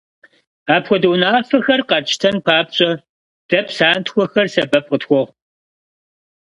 Апхуэдэ унафэхэр къэтщтэн папщӀэ, дэ псантхуэхэр сэбэп къытхуохъу.